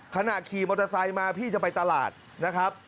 ขณะขี่มอเตอร์ไซค์มาพี่จะไปตลาดนะครับ